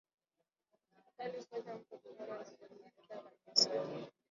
kemikali hufanya mtu kupona na kuimarika kabisa